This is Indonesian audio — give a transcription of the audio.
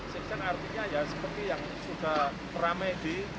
sekjen artinya ya seperti yang sudah ramai di